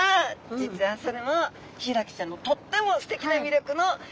実はそれもヒイラギちゃんのとってもすてきな魅力の一つなんです。